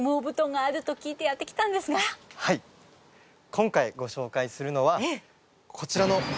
今回ご紹介するのはこちらの羽毛布団です。